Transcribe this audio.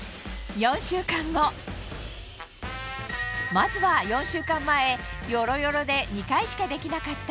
まずは４週間前ヨロヨロで２回しかできなかった